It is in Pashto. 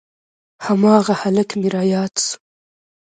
هماغه هلک مې راياد سو.